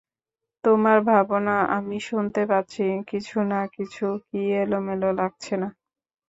তোমার ভাবনা আমি শুনতে পাচ্ছি কিছু না কিছু কি এলোমেলো লাগছে না?